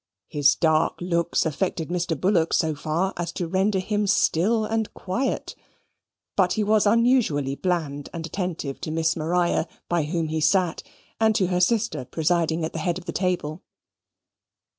His dark looks affected Mr. Bullock so far as to render him still and quiet: but he was unusually bland and attentive to Miss Maria, by whom he sat, and to her sister presiding at the head of the table.